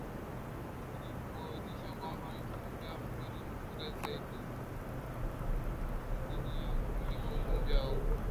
ili kuwaonyesha kwamba mgombea fulani ni bora zaidi kwa dini yangu kuliko mgombea huyu